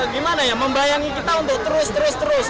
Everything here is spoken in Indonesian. gimana ya membayangi kita untuk terus terus terus